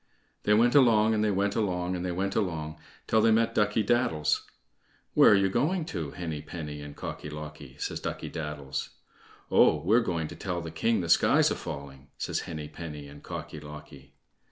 They went along, and they went along, and they went along till they met Ducky daddles. "Where are you going to, Henny penny and Cocky locky?" says Ducky daddles. "Oh! we're going to tell the king the sky's a falling," says Henny penny and Cocky locky.